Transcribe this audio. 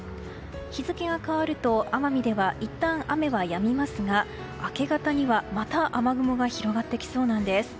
日付が変わると奄美ではいったん雨はやみますが明け方には、また雨雲が広がってきそうなんです。